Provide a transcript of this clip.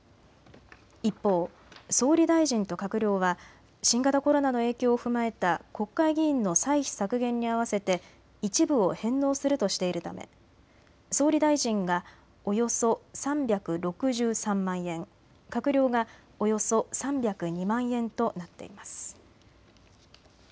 一方、総理大臣と閣僚は新型コロナの影響を踏まえた国会議員の歳費削減に合わせて一部を返納するとしているため総理大臣がおよそ３６３万円、閣僚がおよそ３０２万円となっています。